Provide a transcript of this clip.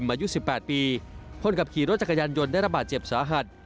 ทำให้นายถาประกอร์นทัพทีมอายุ๑๘ปีพลกลับขี่รถจักรยานยนต์ได้รับบาดเจ็บสาหัส